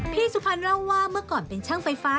พี่สุพรรณเล่าว่าเมื่อก่อนเป็นช่างไฟฟ้า